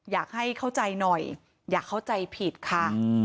อยากให้เข้าใจหน่อยอย่าเข้าใจผิดค่ะ